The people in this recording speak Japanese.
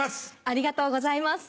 ありがとうございます。